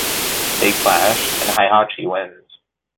They clash, and Heihachi wins.